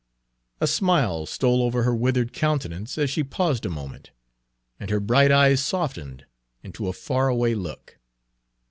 A smile stole over her withered countenance as she paused a moment, and her bright eyes softened into a faraway look.